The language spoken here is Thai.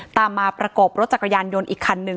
ตามมาประกบรถจักรยานยนต์อีกคันหนึ่ง